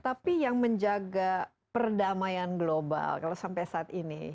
tapi yang menjaga perdamaian global kalau sampai saat ini